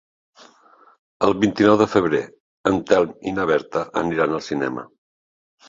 El vint-i-nou de febrer en Telm i na Berta aniran al cinema.